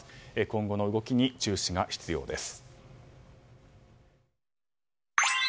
今後の動きに注視が必要です。